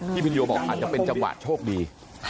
พินโยบอกอาจจะเป็นจังหวะโชคดี